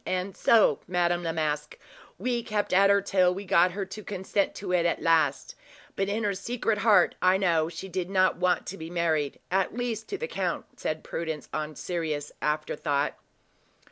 And so, Madame Masque, we kept at her till we got her to consent to it at last; but in her secret heart, I know she did not want to be married at least to the count," said Prudence, on serious afterthought.